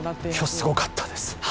今日はすごかったです。